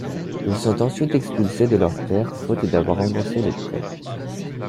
Ils sont ensuite expulsés de leurs terres faute d'avoir remboursé le prêt.